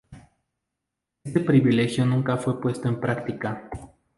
Este privilegio nunca fue puesto en práctica.